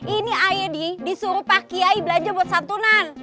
ini id disuruh pak kiai belanja buat santunan